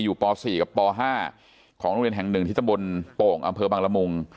อยู่ป๔กับป๕ของโรงเรียนแห่ง๑ทิศบนโป่งอำเภอบังระมุง